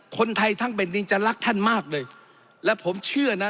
คนไทยทั้งแผ่นดินจะรักท่านมากเลยและผมเชื่อนะ